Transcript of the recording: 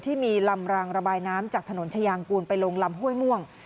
ที่มีลำรางระบายน้ำจากถนนชายางกูลไปลงลำห้วยม่วง